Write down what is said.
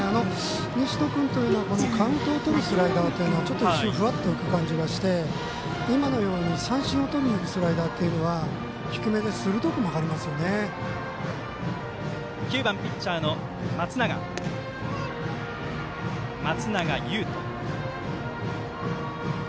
西野君というのはカウントをとるスライダーというのはちょっとふわっと浮く感じがして今のように、三振をとりにいくスライダーというのは９番ピッチャーの松永優斗。